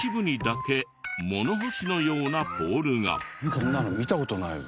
こんなの見た事ないわ。